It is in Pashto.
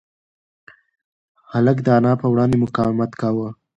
هلک د انا په وړاندې مقاومت کاوه.